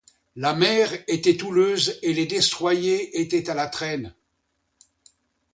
La mer était houleuse et les destroyers étaient à la traîne.